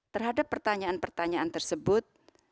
terhadap pertanyaan pertanyaan tersebut